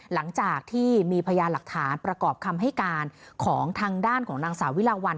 หลังจากที่มีพยานหลักฐานประกอบคำให้การของทางด้านของนางสาววิลาวัน